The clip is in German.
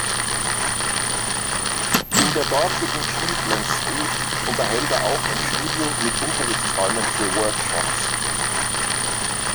In der dortigen Cleveland Street unterhält er auch ein Studio mit Unterrichtsräumen für Workshops.